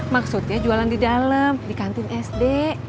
maksudnya jualan di dalam di kantin sd